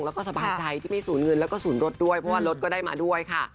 แล้วก็สบายใจที่ไม่สูญเงินแล้วก็ศูนย์รถด้วยเพราะว่ารถก็ได้มาด้วยค่ะ